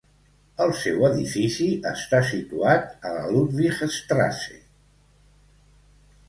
El seu edifici està situat a la Ludwigstrasse.